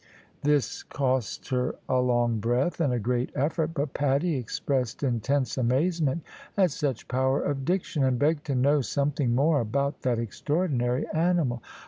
'" This cost her a long breath, and a great effort; but Patty expressed intense amazement at such power of diction, and begged to know something more about that extraordinary animal.